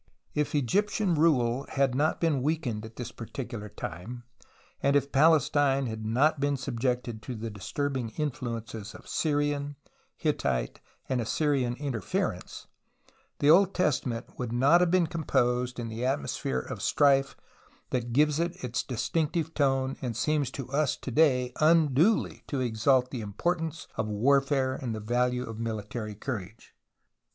If Egyptian rule had not been weakened at this particular time and Palestine had not been subjected to the disturbing influences of Syrian, Hittite, and Assyrian interference, the Old Testament would not have been composed in the atmosphere of strife that gives it its distinctive tone and seems to us to day unduly to exalt the importance of warfare and the value of military couraiye.